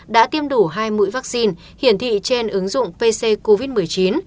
đã tiêm đủ hai mũi vaccine hiển thị trên ứng dụng pc covid một mươi chín